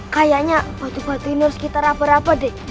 kayaknya batu batu ini harus kita raba rapa deh